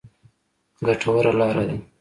ګټوره لاره ده.